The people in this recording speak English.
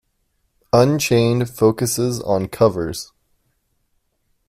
"Unchained" focuses on covers.